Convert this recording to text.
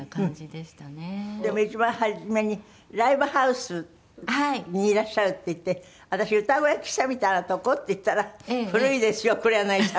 でも一番初めにライブハウスにいらっしゃるっていって私「歌声喫茶みたいなとこ？」って言ったら「古いですよ黒柳さん」ってのっけに言われちゃって。